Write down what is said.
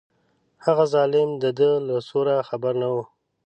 هغه ظالم د ده له سوره خبر نه و.